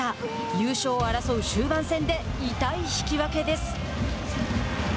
優勝を争う終盤戦で痛い引き分けです。